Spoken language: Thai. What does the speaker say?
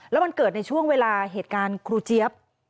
แล้วมันเกิดในช่วงเวลาเหตุการณ์ครูเจี๊ยบ